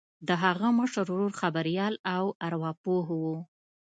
د هغه مشر ورور خبریال او ارواپوه و